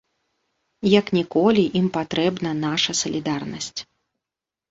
Як ніколі ім патрэбна наша салідарнасць.